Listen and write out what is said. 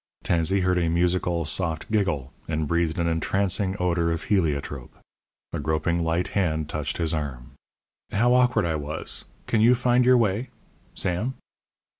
Tansey heard a musical, soft giggle, and breathed an entrancing odour of heliotrope. A groping light hand touched his arm. "How awkward I was! Can you find your way Sam?"